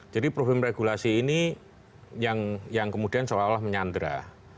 jadi problem regulasi ini yang kemudian seolah olah menyandera